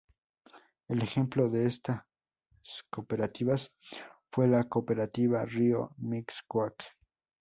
El ejemplo de estas cooperativas fue la cooperativa Río Mixcoac.